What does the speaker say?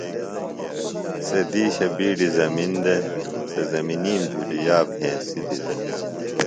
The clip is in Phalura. سےۡ دِیشہ بِیڈیۡ زمِن دےۡ۔ سےۡ زمنیم جُھلیۡ یاب ہنسِلیۡ دےۡ۔